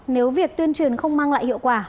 nếu việc tuyên truyền không mang lại hiệu quả